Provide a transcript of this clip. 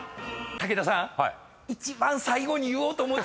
武田さん。